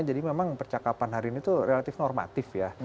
jadi memang percakapan hari ini tuh relative normatif ya